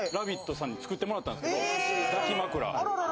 さんに作ってもらったんですよ抱き枕。